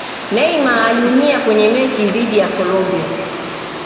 neymar aliumia kwenye mechi dhidi ya Colombia